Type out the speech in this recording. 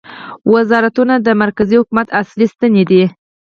وزارتونه د مرکزي حکومت اصلي ستنې دي